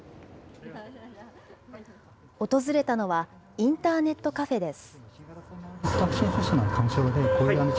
訪れたのは、インターネットカフェです。